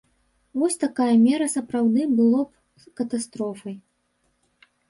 Вось такая мера сапраўды было б катастрофай.